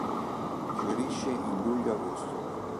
Fiorisce in luglio-agosto.